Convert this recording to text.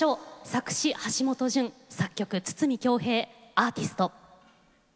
作詞橋本淳作曲筒美京平「アーティスト」。